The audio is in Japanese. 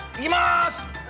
いきます！